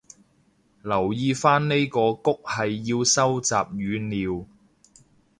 留意返呢個谷係要收集語料